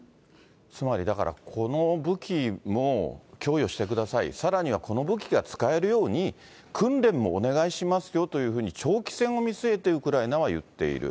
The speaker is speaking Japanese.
つまりだから、この武器も供与してください、さらにはこの武器が使えるように、訓練もお願いしますよというふうに、長期戦を見据えてウクライナ側は言っている。